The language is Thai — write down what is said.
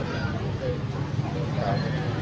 ไม่จริงไม่จริง